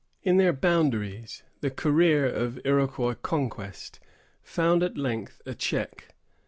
In their boundaries, the career of Iroquois conquest found at length a check.